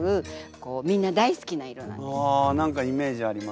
ああ何かイメージあります。